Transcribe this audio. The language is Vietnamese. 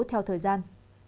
theo thời gian